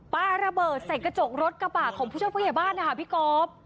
บ้านระเบิดใส่กระจกรถกระบาดของผู้ช่วยผู้เหยียบบ้านนะครับพี่กอป